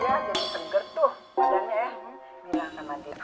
padahal ya bilang sama dia